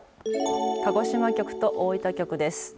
鹿児島局と大分局です。